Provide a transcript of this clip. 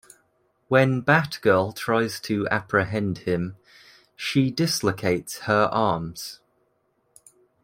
When Batgirl tries to apprehend him, she dislocates her arms.